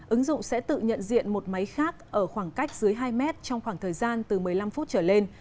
ứng dụng sẽ tự nhận diện một máy khác ở khoảng cách dưới hai mét trong khoảng thời gian từ một mươi năm phút trở lên